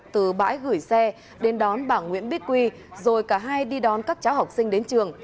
từ bãi gửi xe đến đón bà nguyễn bích quy rồi cả hai đi đón các cháu học sinh đến trường